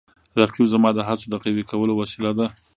رقیب زما د هڅو د قوي کولو وسیله ده